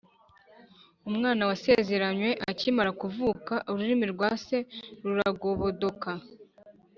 Umwana wasezeranywe akimara kuvuka, ururimi rwa se ruragobodoka,